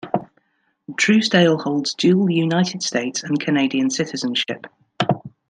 Truesdale holds dual United States and Canadian citizenship.